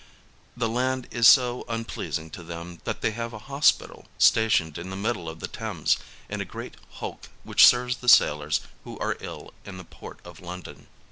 The land is so unpleasing to them that they have a hospital stationed in the middle of the Thames in a great hulk which serves the sailors who are ill in the Port of London.